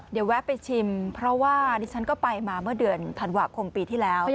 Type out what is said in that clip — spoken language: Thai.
เดี๋ยวแวะไปชิมเพราะว่าดิฉันก็ไปมาเมื่อเดือนธันวาคมปีที่แล้ว